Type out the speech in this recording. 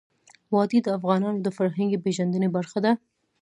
وادي د افغانانو د فرهنګي پیژندنې برخه ده.